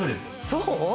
そう？